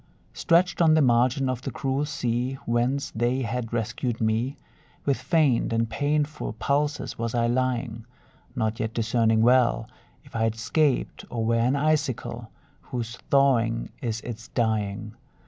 Stretched on the margin of the cruel sea Whence they had rescued me, With faint and painful pulses was I lying; Not yet discerning well If I had 'scaped, or were an icicle, Whose thawing is its dying.